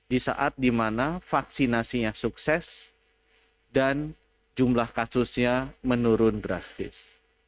di saat di mana vaksinasinya sukses dan jumlah kasusnya menurun drastis